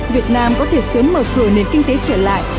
việt nam có thể sớm mở cửa nền kinh tế trở lại